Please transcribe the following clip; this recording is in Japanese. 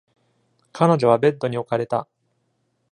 彼女はベッドに置かれた。